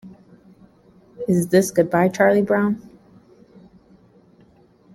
Is This Goodbye, Charlie Brown?